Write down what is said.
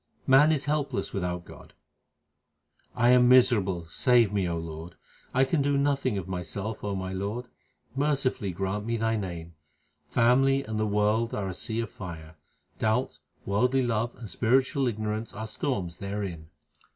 Man is helpless without God : I am miserable ; save me, O Lord, I can do nothing of myself, O my Lord ; mercifully grant me Thy name. Family and the world are a sea of fire ; Doubt, worldly love, and spiritual ignorance are storms therein.